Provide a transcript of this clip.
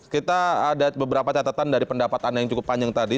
kita ada beberapa catatan dari pendapat anda yang cukup panjang tadi